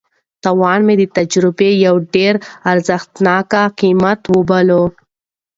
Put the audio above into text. تاوان مې د تجربې یو ډېر ارزښتناک قیمت وباله.